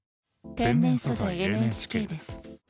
「天然素材ＮＨＫ」です。